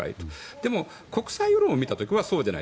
でも、国際世論を見た時はそうじゃない。